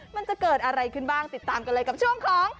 มันจะเกิดอะไรขึ้นบ้างติดตามกันเลยกับช่วงของ